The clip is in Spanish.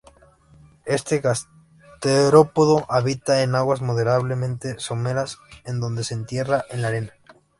Este gasterópodo habita en aguas moderadamente someras, en donde se entierra en la arena.